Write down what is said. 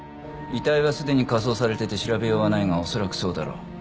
遺体はすでに火葬されてて調べようはないが恐らくそうだろう。